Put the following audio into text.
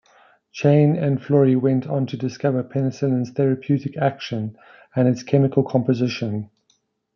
Chain and Florey went on to discover penicillin's therapeutic action and its chemical composition.